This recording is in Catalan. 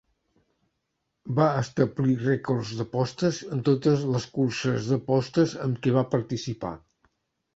Va establir rècords d'apostes en totes les curses d'apostes en què va participar.